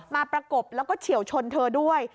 ประกบแล้วก็เฉียวชนเธอด้วย